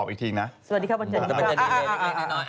สวัสดีครับวันใจดีครับ